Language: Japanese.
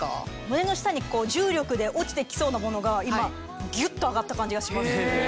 胸の下に重力で落ちて来そうなものが今ギュっと上がった感じがします。